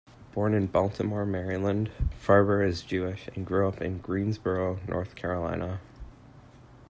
Born in Baltimore, Maryland, Farber is Jewish and grew up in Greensboro, North Carolina.